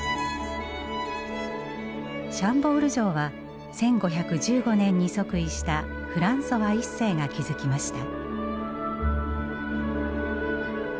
シャンボール城は１５１５年に即位したフランソワ一世が築きました。